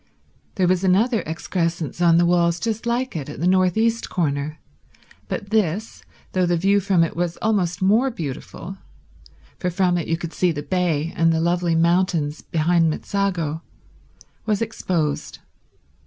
There was another excrescence on the walls just like it at the north east corner, but this, though the view from it was almost more beautiful, for from it you could see the bay and the lovely mountains behind Mezzago, was exposed.